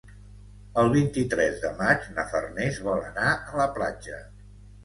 El vint-i-tres de maig na Farners vol anar a la platja.